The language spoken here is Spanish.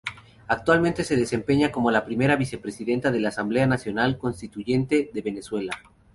Actualmente se desempeña como la primera vicepresidenta de la Asamblea Nacional Constituyente de Venezuela.